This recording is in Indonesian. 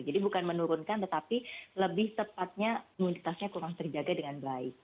jadi bukan menurunkan tetapi lebih tepatnya imunitasnya kurang terjaga dengan baik